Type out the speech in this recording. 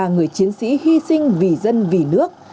người chiến sĩ hy sinh vì dân vì nước